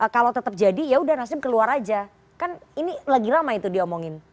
kalau tetap jadi yaudah nasdem keluar aja kan ini lagi lama itu diomongin